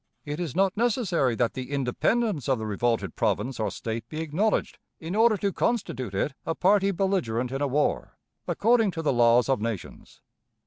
It is not necessary that the independence of the revolted province or State be acknowledged in order to constitute it a party belligerent in a war, according to the laws of nations.